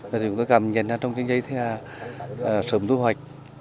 và chúng tôi cảm nhận ra trong chanh dây sớm thu hoạch